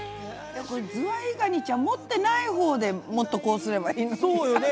これズワイガニちゃん持ってないほうでもっとこうすればいいのに。